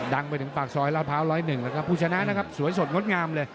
ดังไปถึงปากซอยลาดพร้าว๑๐๑แล้วก็ผู้ชนะนะครับสวยสดงดงามเลย